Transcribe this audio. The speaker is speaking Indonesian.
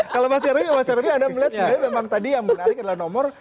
kalau mas nyarwi mas nyarwi anda melihat sebenarnya memang tadi yang menarik adalah nomor